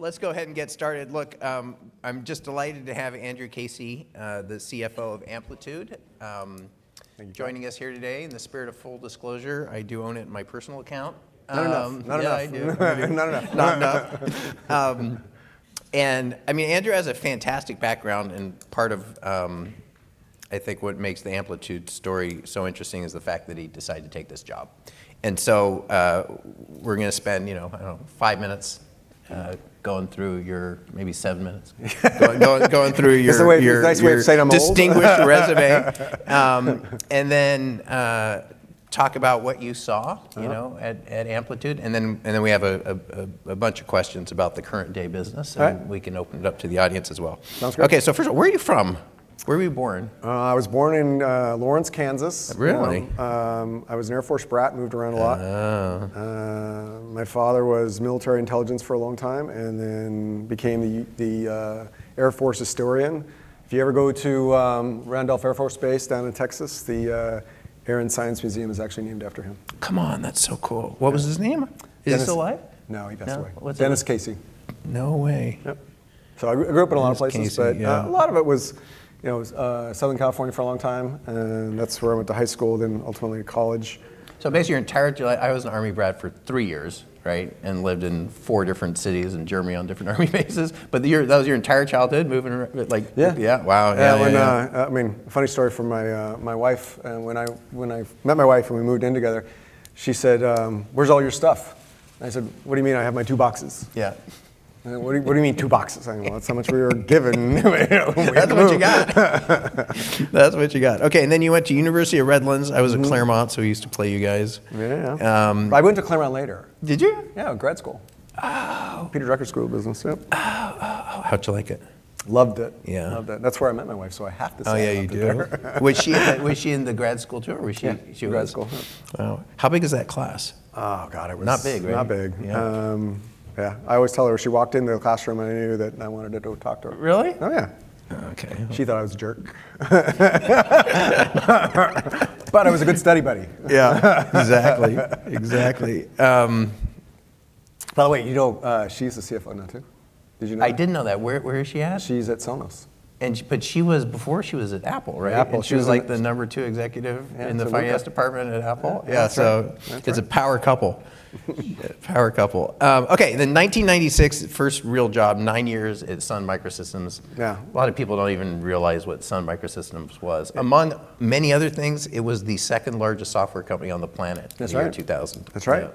Let's go ahead and get started. Look, I'm just delighted to have Andrew Casey, the CFO of Amplitude. Thank you.... joining us here today. In the spirit of full disclosure, I do own it in my personal account. Not enough. Not enough. Yeah, I do. Not enough. Not enough. I mean, Andrew has a fantastic background, and part of, I think what makes the Amplitude story so interesting is the fact that he decided to take this job. We're gonna spend, you know, I don't know, five minutes going through your... maybe seven minutes going through your- That's the way. That's a nice way of saying I'm old.... distinguished resume. and then talk about what you saw Uh-huh... you know, at Amplitude. Then we have a bunch of questions about the current day business. All right. We can open it up to the audience as well. Sounds good. Okay. First of all, where are you from? Where were you born? I was born in Lawrence, Kansas. Really? I was an Air Force brat, moved around a lot. Ah. My father was military intelligence for a long time, and then became the Air Force historian. If you ever go to Randolph Air Force Base down in Texas, the Air and Science Museum is actually named after him. Come on, that's so cool. Yeah. What was his name? He was- Is he still alive? No, he passed away. No. Dennis Casey. No way. Yep. I grew up in a lot of places- Dennis Casey, yeah.... but a lot of it was, you know, Southern California for a long time, and that's where I went to high school, then ultimately college. I was an Army brat for three years, right, and lived in four different cities in Germany on different army bases, but your... That was your entire childhood, moving around? Like- Yeah. Yeah. Wow. Yeah, yeah. Yeah. When I mean, funny story from my wife. When I met my wife and we moved in together, she said, "Where's all your stuff?" I said, "What do you mean? I have my two boxes. Yeah. What do you mean two boxes?" I go, "Well, that's how much we were given when we had to move. That's what you got. Okay, you went to University of Redlands. Mm-hmm. I was at Claremont, so we used to play you guys. Yeah, yeah. Um- I went to Claremont later. Did you? Yeah, grad school. Oh. Peter Drucker School of Business, yep. Oh. Oh, oh. How'd you like it? Loved it. Yeah. Loved it. That's where I met my wife, so I have to say I loved it. Oh, yeah, you do. Was she in the grad school too, or was she? Yeah. She went to grad school. Wow. How big is that class? Oh, God it was. Not big, right? Not big. Yeah. Yeah. I always tell her she walked into the classroom and I knew that I wanted to go talk to her. Really? Oh, yeah. Okay. She thought I was a jerk. I was a good study buddy. Yeah. Exactly. Exactly. by the way, you know- She's a CFO now, too. Did you know that? I didn't know that. Where is she at? She's at Sonos. She was, before she was at Apple, right? Apple, she was She was like the number two executive. Yeah... in the finance department at Apple. That's right. Yeah. That's right.... it's a power couple. Power couple. Okay, then 1996, first real job, nine years at Sun Microsystems. Yeah. A lot of people don't even realize what Sun Microsystems was. Yeah. Among many other things, it was the second largest software company on the planet. That's right. in the year 2000. That's right.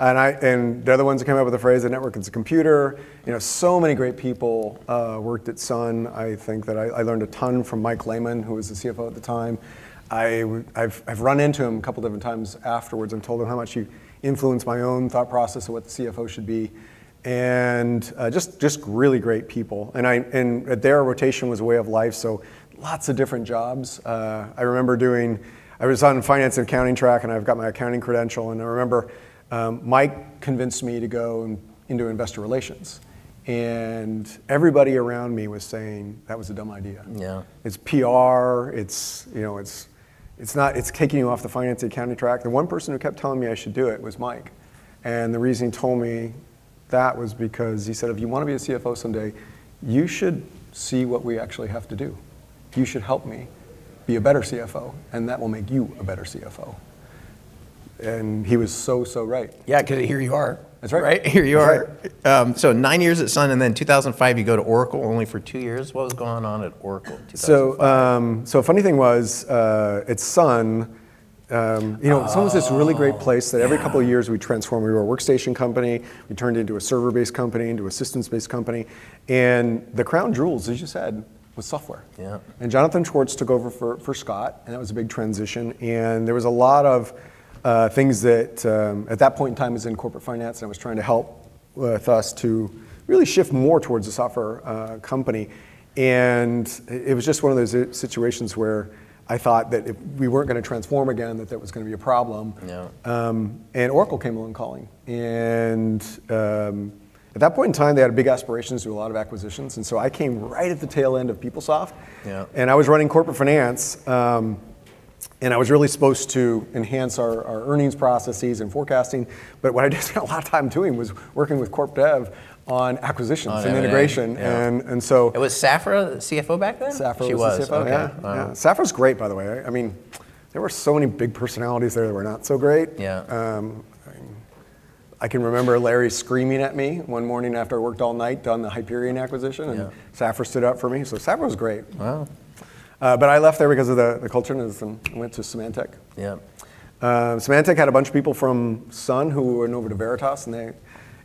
Yeah. They're the ones who came up with the phrase, "The network is the computer." You know, so many great people worked at Sun. I think that I learned a ton from Mike Lehman, who was the CFO at the time. I've run into him a couple different times afterwards and told him how much he influenced my own thought process of what the CFO should be. just really great people. At there, rotation was a way of life, so lots of different jobs. I remember I was on finance and accounting track, and I've got my accounting credential, and I remember Mike convinced me to go into investor relations. Everybody around me was saying that was a dumb idea. Yeah. It's PR, it's, you know, it's not. It's kicking you off the finance and accounting track. The one person who kept telling me I should do it was Mike. The reason he told me that was because he said, "If you wanna be a CFO someday, you should see what we actually have to do. You should help me be a better CFO, and that will make you a better CFO." He was so right. Yeah, 'cause here you are. That's right. Right? Here you are. That's right. nine years at Sun, and then 2005 you go to Oracle, only for two years. What was going on at Oracle in 2005? So funny thing was, at Sun. Oh You know, Sun was this really great place. Yeah... that every couple of years we'd transform. We were a workstation company, we turned into a server-based company, into a systems-based company, and the crown jewels, as you said, was software. Yeah. Jonathan Schwartz took over for Scott, and that was a big transition, and there was a lot of things that, at that point in time, I was in corporate finance and I was trying to help with us to really shift more towards a software company. It was just one of those situations where I thought that if we weren't gonna transform again, that that was gonna be a problem. Yeah. Oracle came along calling. At that point in time, they had big aspirations to do a lot of acquisitions, and so I came right at the tail end of PeopleSoft. Yeah. I was running corporate finance, and I was really supposed to enhance our earnings processes and forecasting, but what I just spent a lot of time doing was working with corp dev on acquisitions. On it, yeah.... and integration. Yeah. And so- It was Safra the CFO back then? Safra was the CFO. She was? Okay. All right. Yeah, yeah. Safra's great, by the way. I mean, there were so many big personalities there that were not so great. Yeah. I can remember Larry screaming at me one morning after I worked all night on the Hyperion acquisition- Yeah... and Safra stood up for me. Safra was great. Wow. I left there because of the culture and went to Symantec. Yeah. Symantec had a bunch of people from Sun who went over to Veritas, and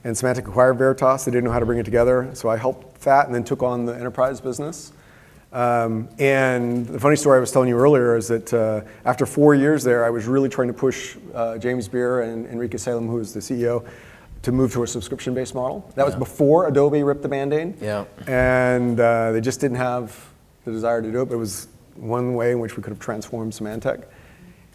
Symantec acquired Veritas. They didn't know how to bring it together. I helped that and then took on the enterprise business. The funny story I was telling you earlier is that, after four years there, I was really trying to push James Beer and Enrique Salem, who was the CEO, to move to a subscription-based model. Yeah. That was before Adobe ripped the Band-Aid. Yeah. They just didn't have the desire to do it, but it was one way in which we could have transformed Symantec.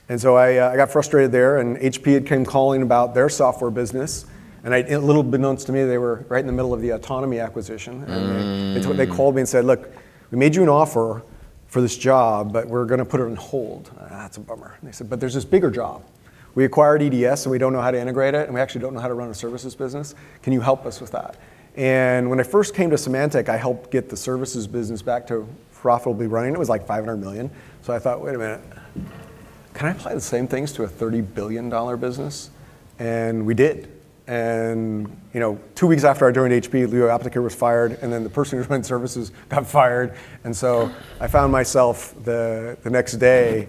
I got frustrated there, and HP had came calling about their software business, and I, little unbeknownst to me, they were right in the middle of the Autonomy acquisition. Mm. They called me and said, "Look, we made you an offer for this job, but we're gonna put it on hold." That's a bummer. They said, "But there's this bigger job. We acquired EDS and we don't know how to integrate it, and we actually don't know how to run a services business. Can you help us with that?" When I first came to Symantec, I helped get the services business back to profitably running. It was like $500 million. I thought, "Wait a minute. Can I apply the same things to a $30 billion business?" We did. You know, two weeks after I joined HP, Léo Apotheker was fired, the person who ran services got fired. I found myself the next day,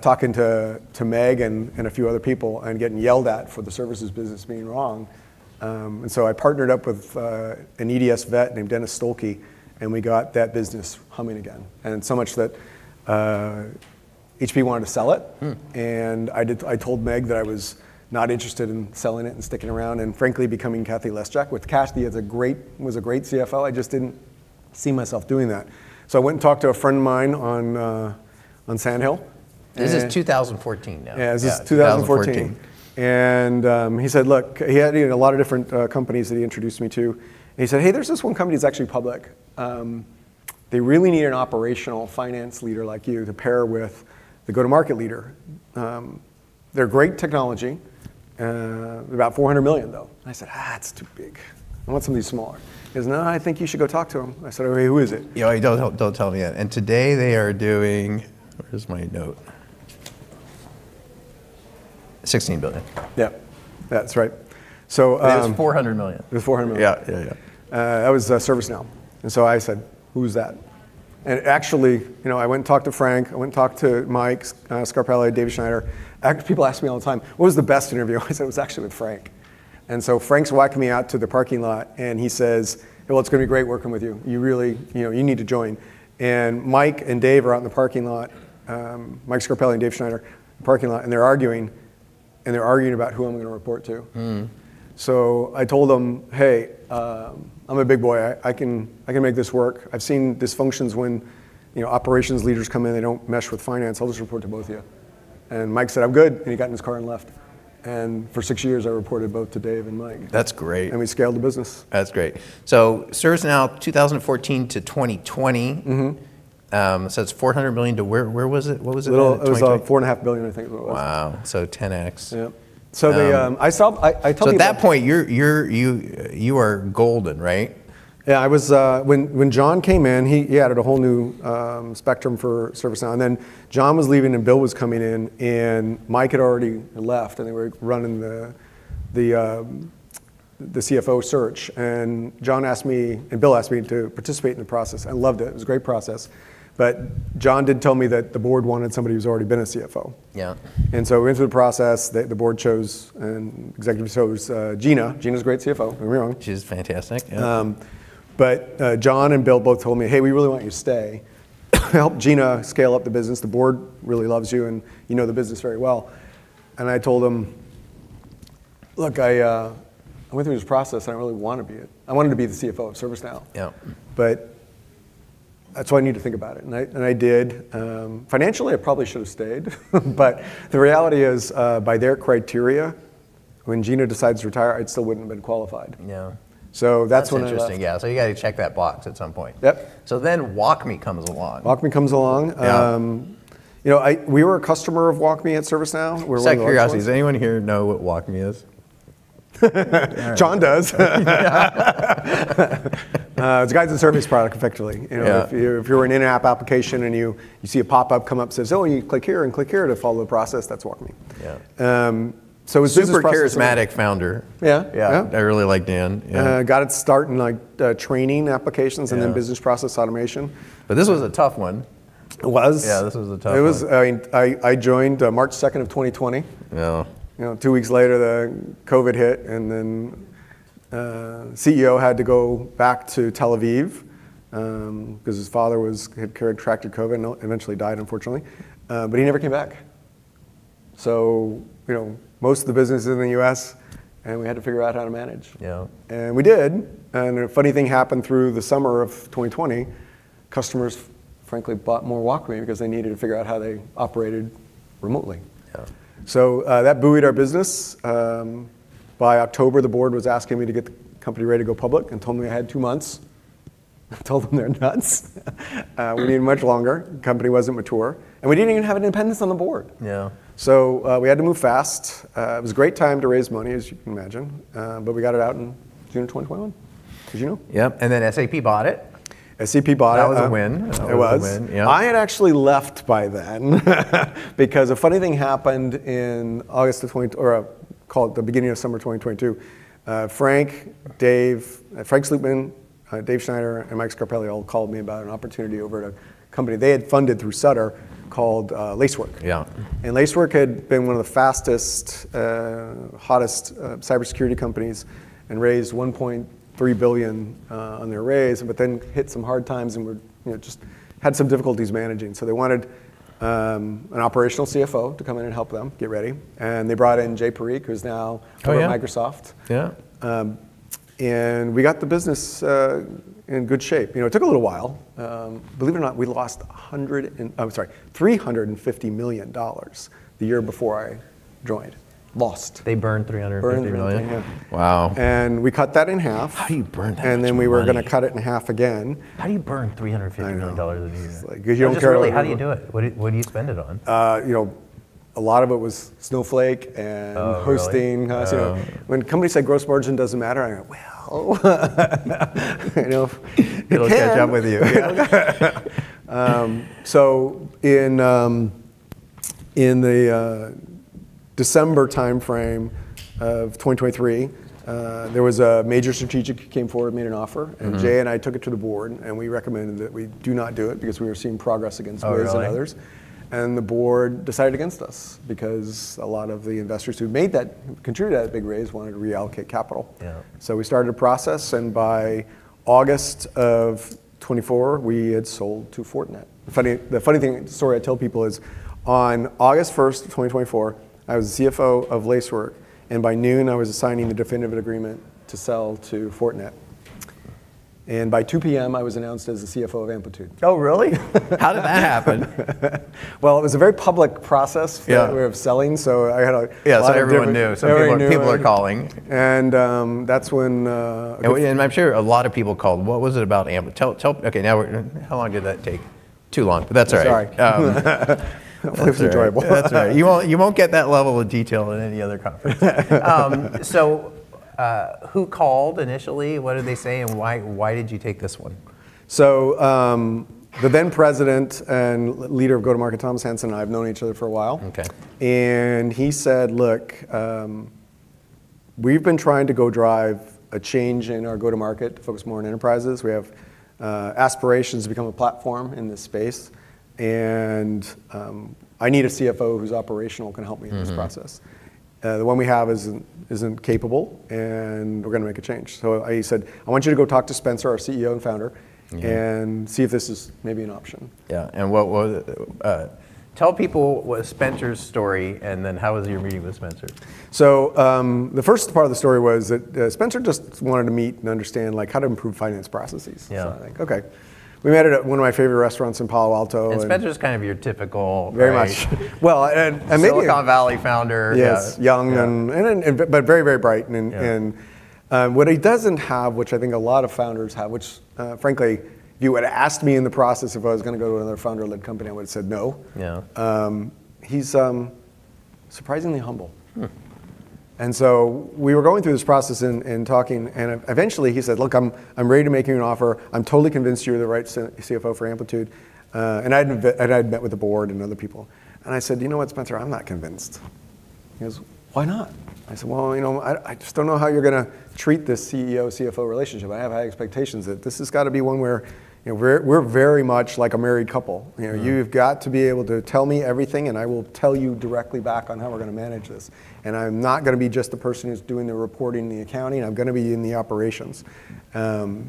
talking to Meg and a few other people and getting yelled at for the services business being wrong. I partnered up with an EDS vet named Dennis Stull, and we got that business humming again. Much that HP wanted to sell it. Hmm. I told Meg that I was not interested in selling it and sticking around and frankly, becoming Cathie Lesjak. Which Cathy was a great CFO, I just didn't see myself doing that. I went and talked to a friend of mine on Sand Hill. This is 2014 now. Yeah, this is 2014. Yeah, 2014. He said, "Look..." He had, you know, a lot of different companies that he introduced me to. He said, "Hey, there's this one company that's actually public. They really need an operational finance leader like you to pair with the go-to-market leader. They're a great technology, about $400 million though." I said, "That's too big. I want something smaller." He goes, "No, I think you should go talk to them." I said, "All right, who is it? Yeah. Oh, don't tell me yet. Today they are doing... Where is my note? $16 billion. Yeah. That's right. It was $400 million. It was $400 million. Yeah. Yeah, yeah. That was ServiceNow. I said, "Who's that?" Actually, you know, I went and talked to Frank, I went and talked to Mike Scarpelli, Dave Schneider. People ask me all the time, "What was the best interview?" I said, "It was actually with Frank." Frank's walking me out to the parking lot and he says, "Well, it's gonna be great working with you. You really... You know, you need to join." Mike and Dave are out in the parking lot, Mike Scarpelli and Dave Schneider in the parking lot, and they're arguing, and they're arguing about who I'm gonna report to. Mm. I told them, "Hey, I'm a big boy. I can make this work. I've seen dysfunctions when, you know, operations leaders come in and they don't mesh with finance. I'll just report to both of you." Mike said, "I'm good," and he got in his car and left. For six years, I reported both to Dave and Mike. That's great. We scaled the business. That's great. ServiceNow 2014-2020. Mm-hmm. It's $400 million to where was it? What was it at in 2020? Well, it was, four and a half billion I think it was. Wow. 10x. Yep. Um- They, I told you about. At that point, you're you are golden, right? Yeah, I was. When John came in, he added a whole new spectrum for ServiceNow. Then John was leaving and Bill was coming in, and Mike had already left and they were running the CFO search. John asked me, and Bill asked me to participate in the process. I loved it. It was a great process. John did tell me that the board wanted somebody who's already been a CFO. Yeah. We went through the process. The board chose and executive chose, Gina. Gina's a great CFO, don't get me wrong. She's fantastic, yeah. John and Bill both told me, "Hey, we really want you to stay to help Gina scale up the business. The board really loves you, and you know the business very well." I told them, "Look, I went through this process. I don't really wanna be it." I wanted to be the CFO of ServiceNow. Yeah. I told them I need to think about it. I did. Financially, I probably should have stayed. The reality is, by their criteria, when Gina decides to retire, I still wouldn't have been qualified. Yeah. That's when I left. That's interesting, yeah. You gotta check that box at some point. Yep. WalkMe comes along. WalkMe comes along. Yeah. You know, we were a customer of WalkMe at ServiceNow. We're one of the launch ones. Just out of curiosity, does anyone here know what WalkMe is? All right. John does. Yeah. It's a Guides and Surveys product effectively. You know. Yeah... if you're in an in-app application and you see a pop-up come up that says, "Oh, you click here and click here to follow the process," that's WalkMe. Yeah. It was super frustrating. Super charismatic founder. Yeah. Yeah. Yeah. I really like Dan. Yeah. got its start in like training applications. Yeah... and then business process automation. This was a tough one. It was. Yeah, this was a tough one. It was... I mean, I joined March 2nd of 2020. Yeah. You know, two weeks later, the COVID hit, CEO had to go back to Tel Aviv, 'cause his father had contracted COVID and eventually died, unfortunately. He never came back. You know, most of the business is in the U.S., and we had to figure out how to manage. Yeah. We did. A funny thing happened through the summer of 2020, customers frankly bought more WalkMe because they needed to figure out how they operated remotely. Yeah. That buoyed our business. By October, the board was asking me to get the company ready to go public and told me I had two months. I told them they're nuts. We need much longer. The company wasn't mature, and we didn't even have an independence on the board. Yeah. We had to move fast. It was a great time to raise money, as you can imagine. We got it out in June of 2021. Did you know? Yep. Then SAP bought it. SAP bought it. That was a win. It was. That was a win. Yeah. I had actually left by then because a funny thing happened in August or call it the beginning of summer 2022. Frank Slootman, Dave Schneider, and Mike Scarpelli all called me about an opportunity over at a company they had funded through Sutter called Lacework. Yeah. Lacework had been one of the fastest, hottest, cybersecurity companies and raised $1.3 billion on their raise, but then hit some hard times and were, you know, just had some difficulties managing. They wanted an operational CFO to come in and help them get ready. They brought in Jai Parikh, who's now. Oh, yeah.... over at Microsoft. Yeah. We got the business in good shape. You know, it took a little while. Believe it or not, we lost $350 million the year before I joined. Lost. They burned $350 million? Burned $350 million. Wow. We cut that in half. How do you burn that much money? We were gonna cut it in half again. How do you burn $350 million in a year? I know. It's like, you don't care about- Just really, how do you do it? What do you spend it on? You know, a lot of it was Snowflake. Oh, really?... hosting. Oh. You know. When companies say gross margin doesn't matter, I went, "Well..." You know, it can. It'll catch up with you. Yeah. In the December timeframe of 2023, there was a major strategic came forward and made an offer. Mm-hmm. Jay and I took it to the board, and we recommended that we do not do it because we were seeing progress against Wiz and others. Oh, really? The board decided against us because a lot of the investors who made that, contributed to that big raise wanted to reallocate capital. Yeah. We started a process, and by August of 2024 we had sold to Fortinet. The funny thing, story I tell people is on August 1st, 2024, I was CFO of Lacework, and by 12:00 P.M. I was assigning the definitive agreement to sell to Fortinet. By 2:00 P.M. I was announced as the CFO of Amplitude. Oh, really? How did that happen? Well, it was a very public process- Yeah... for that way of selling. I had a lot of. Yeah, everyone knew. Everyone knew. People were calling. That's when. I'm sure a lot of people called. What was it about Tell? Okay, now. How long did that take? Too long, but that's all right. Sorry. That's all right. It was enjoyable. That's right. You won't get that level of detail at any other conference. Who called initially? What did they say, and why did you take this one? The then President and Leader of go-to-market, Thomas Hansen, and I have known each other for a while. Okay. he said, "Look, we've been trying to go drive a change in our go-to-market to focus more on enterprises. We have aspirations to become a platform in this space, and I need a CFO who's operational who can help me in this process. Mm-hmm. The one we have isn't capable, and we're gonna make a change." He said, "I want you to go talk to Spencer, our CEO and founder. Yeah... and see if this is maybe an option. Yeah. Tell people what Spencer's story, and then how was your meeting with Spencer? The first part of the story was that Spencer just wanted to meet and understand, like, how to improve finance processes. Yeah. I think, "Okay." We met at one of my favorite restaurants in Palo Alto. Spencer's kind of your typical. Very much. Well, and.... Silicon Valley founder. Yeah. Yeah... and, but, very bright and. Yeah What he doesn't have, which I think a lot of founders have, which, frankly you had asked me in the process if I was gonna go to another founder-led company, I would've said no. Yeah. He's surprisingly humble. Hmm. We were going through this process and talking eventually he said, "Look, I'm ready to make you an offer. I'm totally convinced you're the right CFO for Amplitude." I'd met with the board and other people. I said, "You know what, Spencer? I'm not convinced." He goes, "Why not?" I said, "Well, you know, I just don't know how you're gonna treat this CEO/CFO relationship. I have high expectations that this has gotta be one where, you know, we're very much like a married couple. Mm-hmm. You know, you've got to be able to tell me everything, I will tell you directly back on how we're gonna manage this. I'm not gonna be just the person who's doing the reporting and the accounting. I'm gonna be in the operations." He said,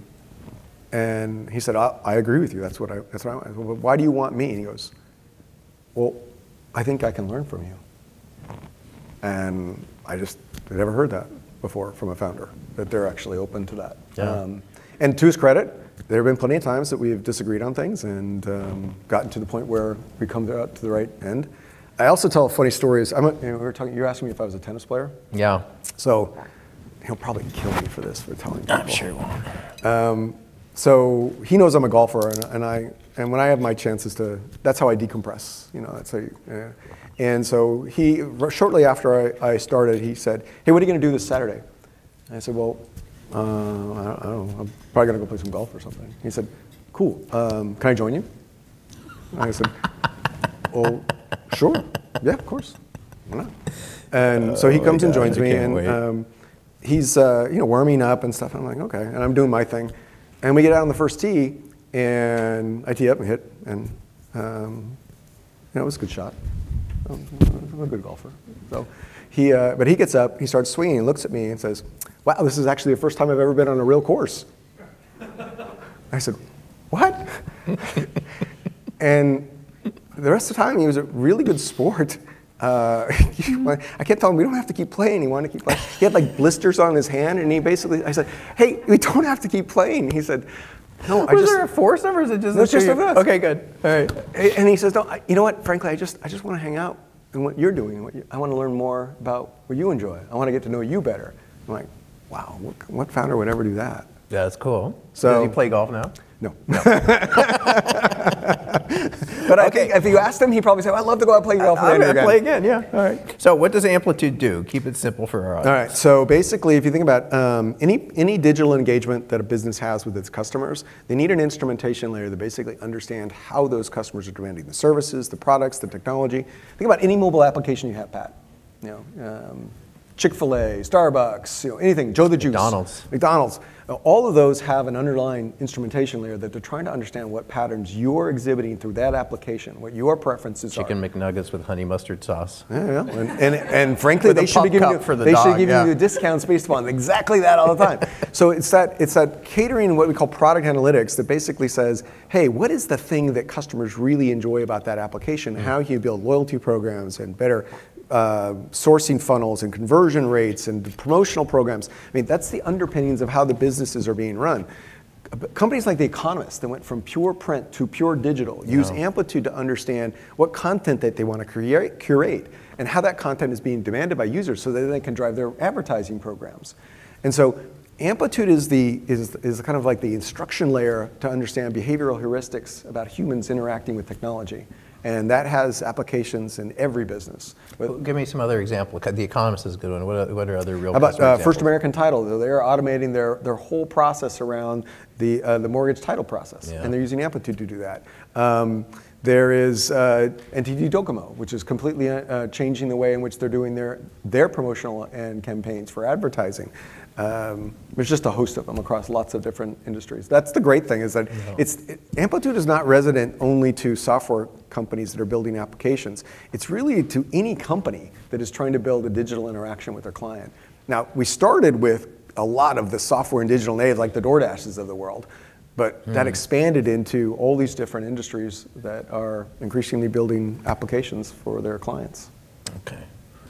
"I agree with you. That's what I want." I said, "Well, why do you want me?" He goes, "Well, I think I can learn from you." I just had never heard that before from a founder, that they're actually open to that. Yeah. To his credit, there have been plenty of times that we have disagreed on things and gotten to the point where we come to the right end. I also tell a funny story is I'm a... You know, we were talking, you were asking me if I was a tennis player. Yeah. He'll probably kill me for this, for telling people. I'm sure he will. He knows I'm a golfer. When I have my chances to, that's how I decompress. You know, that's how. Yeah. Shortly after I started, he said, "Hey, what are you gonna do this Saturday?" I said, "Well, I don't know. I'm probably gonna go play some golf or something." He said, "Cool. Can I join you?" I said, "Well, sure. Yeah, of course. Why not?" He comes and joins me. Oh, yeah. I can't wait. He's, you know, warming up and stuff, I'm like, "Okay." I'm doing my thing. We get out on the first tee, and I tee up and hit. You know, it was a good shot. I'm a good golfer, so. He gets up, he starts swinging, and looks at me and says, "Wow, this is actually the first time I've ever been on a real course." I said, "What?" The rest of the time he was a really good sport. I kept telling him, "We don't have to keep playing. You wanna keep playing?" He had, like, blisters on his hand, and I said, "Hey, we don't have to keep playing." He said, "No. Were there four of us or was it just the two of you? It was just us. Okay, good. All right. He says, "No, you know what? Frankly, I just wanna hang out. What you're doing and what you... I wanna learn more about what you enjoy. I wanna get to know you better." I'm like, "Wow, what founder would ever do that? That's cool. So- Does he play golf now? No. No. Okay. I think if you asked him, he'd probably say, "I'd love to go out and play golf with Andy again. I'm gonna play again." Yeah. All right. What does Amplitude do? Keep it simple for our audience. All right. Basically, if you think about any digital engagement that a business has with its customers, they need an instrumentation layer to basically understand how those customers are demanding the services, the products, the technology. Think about any mobile application you have, Pat. You know, Chick-fil-A, Starbucks, you know, anything. Joe & The Juice. McDonald's. McDonald's. All of those have an underlying instrumentation layer that they're trying to understand what patterns you're exhibiting through that application, what your preferences are. Chicken McNuggets with honey mustard sauce. Yeah, yeah. frankly, they should be giving. With a pup cup for the dog, yeah.... they should give you the discounts based upon exactly that all the time. It's that, it's that catering what we call Product Analytics that basically says, "Hey, what is the thing that customers really enjoy about that application? Mm. How can you build loyalty programs and better sourcing funnels and conversion rates and promotional programs? I mean, that's the underpinnings of how the businesses are being run. companies like The Economist that went from pure print to pure digital. Yeah... use Amplitude to understand what content that they wanna curate, and how that content is being demanded by users so that they then can drive their advertising programs. Amplitude is kind of like the instruction layer to understand behavioral heuristics about humans interacting with technology, and that has applications in every business. Well, give me some other example. Okay, The Economist is a good one. What are other real customer examples? How about First American Title. They're automating their whole process around the mortgage title process. Yeah. They're using Amplitude to do that. There is NTT Docomo, which is completely changing the way in which they're doing their promotional end campaigns for advertising. There's just a host of them across lots of different industries. That's the great thing. Yeah Amplitude is not resident only to software companies that are building applications. It's really to any company that is trying to build a digital interaction with a client. We started with a lot of the software and digital native, like the DoorDashes of the world. Mm. That expanded into all these different industries that are increasingly building applications for their clients. Okay.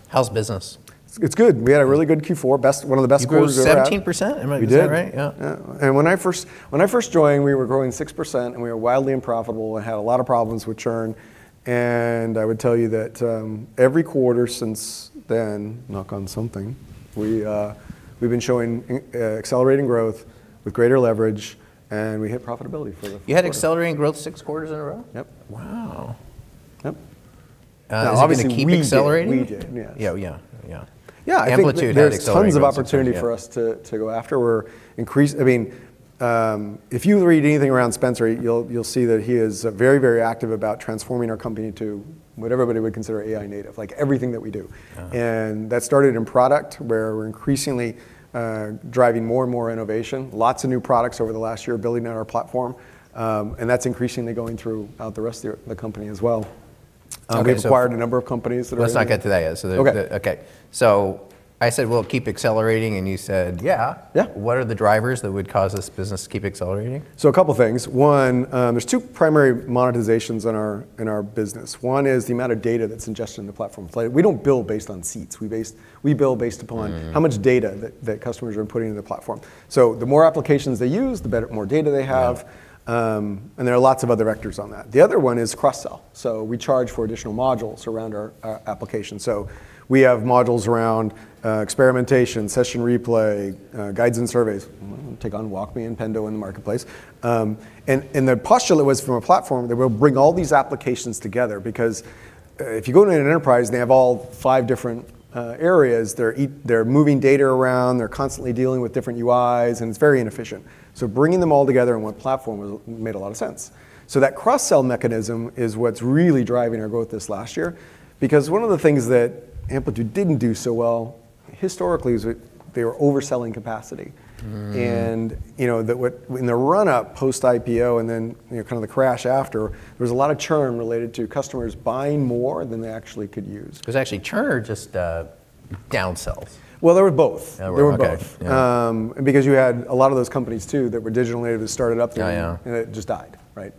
How's business? It's good. We had a really good Q4, one of the best quarters we've ever had. You grew 17%. We did. is that right? Yeah. Yeah. When I first joined, we were growing 6% and we were wildly unprofitable and had a lot of problems with churn. I would tell you that, every quarter since then, knock on something, we've been showing accelerating growth with greater leverage, and we hit profitability for the first quarter. You had accelerating growth six quarters in a row? Yep. Wow. Yep. obviously we did- Is it gonna keep accelerating? We did, yes. Yeah, yeah. Yeah, I think there's. Amplitude had accelerating growth six quarters, yeah. tons of opportunity for us to go after. I mean, if you read anything around Spencer, you'll see that he is very, very active about transforming our company to what everybody would consider AI native, like everything that we do. Uh-huh. That started in product where we're increasingly driving more and more innovation, lots of new products over the last year building out our platform. That's increasingly going through the rest of the company as well. We've acquired. Okay.... a number of companies that are in- Let's not get to that yet. Okay. Okay. I said will it keep accelerating, and you said yeah. Yeah. What are the drivers that would cause this business to keep accelerating? A couple things. One, there's 2 primary monetizations in our business. One is the amount of data that's ingested into the platform. Like, we don't build based on seats. We build based upon- Mm... how much data that customers are putting into the platform. The more applications they use, the better, more data they have. Yeah. There are lots of other vectors on that. The other one is cross-sell. We charge for additional modules around our application. We have modules around Experiment, Session Replay, Guides and Surveys. Take on WalkMe and Pendo in the marketplace. The postulate was from a platform that will bring all these applications together because if you go into an enterprise and they have all five different areas, they're moving data around, they're constantly dealing with different UIs, and it's very inefficient. Bringing them all together in one platform made a lot of sense. That cross-sell mechanism is what's really driving our growth this last year because one of the things that Amplitude didn't do so well historically, they were overselling capacity. Mm. You know, the, what, in the run up post IPO and then, you know, kind of the crash after, there was a lot of churn related to customers buying more than they actually could use. Was actually churn or just, down sells? Well, there were both. There were both. There were both. Yeah. Because you had a lot of those companies too that were digitally native that started up then. Yeah, yeah.... and it just died, right?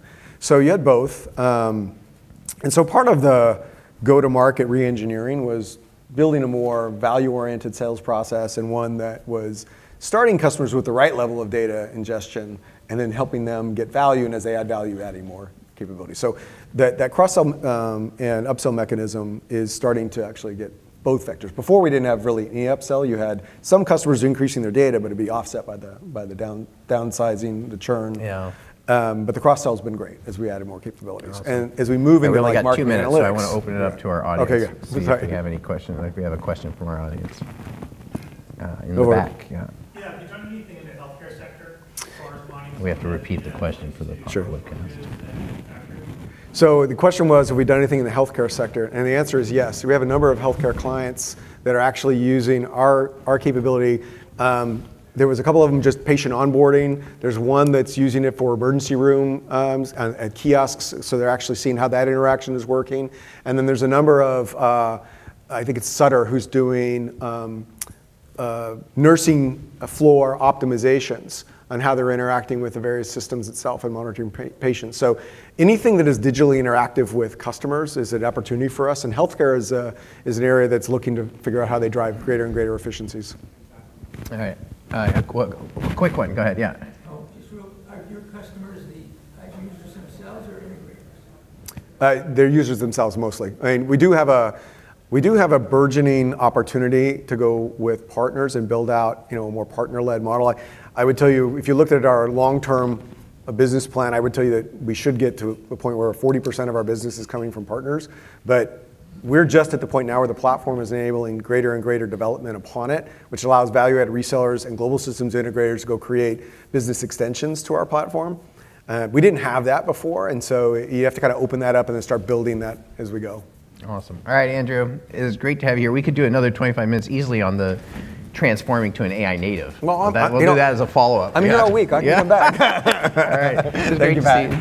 You had both. Part of the go to market re-engineering was building a more value-oriented sales process, and one that was starting customers with the right level of data ingestion, and then helping them get value, and as they add value, adding more capability. That, that cross-sell, and upsell mechanism is starting to actually get both vectors. Before, we didn't have really any upsell. You had some customers increasing their data, but it'd be offset by the, by the downsizing, the churn. Yeah. The cross-sell's been great as we added more capabilities. Awesome. As we move into like Marketing Analytics. We only got two minutes, so I wanna open it up to our audience. Okay, yeah. Sorry.... and see if they have any question, or if we have a question from our audience. In the back. Go ahead. Yeah. Yeah. Have you done anything in the healthcare sector as far as mining-? We have to repeat the question. Sure... public guys. The question was, have we done anything in the healthcare sector, and the answer is yes. We have a number of healthcare clients that are actually using our capability. There was a couple of them just patient onboarding. There's one that's using it for emergency room kiosks, so they're actually seeing how that interaction is working. There's a number of, I think it's Sutter who's doing nursing floor optimizations on how they're interacting with the various systems itself and monitoring patients. Anything that is digitally interactive with customers is an opportunity for us, and healthcare is a, is an area that's looking to figure out how they drive greater and greater efficiencies. All right. Quick one. Go ahead, yeah. Are your customers the end users themselves or integrators? They're users themselves mostly. I mean, we do have a, we do have a burgeoning opportunity to go with partners and build out, you know, a more partner-led model. I would tell you if you looked at our long-term business plan, I would tell you that we should get to a point where 40% of our business is coming from partners. We're just at the point now where the platform is enabling greater and greater development upon it, which allows value add resellers and global systems integrators to go create business extensions to our platform. We didn't have that before, you have to kind of open that up and then start building that as we go. Awesome. All right, Andrew. It was great to have you here. We could do another 25 minutes easily on the transforming to an AI native. Well, I'll, you know. We'll do that as a follow-up. I'm here all week. Yeah. I can come back. All right. Thank you, Pat.